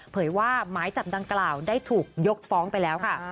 ว่าหมายจับดังกล่าวได้ถูกยกฟ้องไปแล้วค่ะ